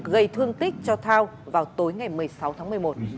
gây thương tích cho thao vào tối ngày một mươi sáu tháng một mươi một